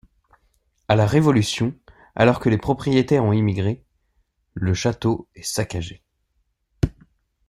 À la Révolution, alors que les propriétaires ont émigré, le château est saccagé.